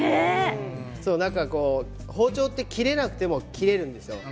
包丁は切れなくても切れるんですよ。